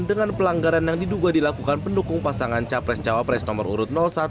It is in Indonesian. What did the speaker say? dengan pelanggaran yang diduga dilakukan pendukung pasangan capres cawapres nomor urut satu